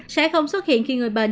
sẽ không xuất hiện khi người bệnh